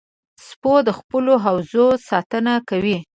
سپو د خپلو حوزو ساتنه کوي.